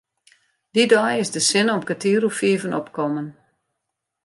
Dy dei is de sinne om kertier oer fiven opkommen.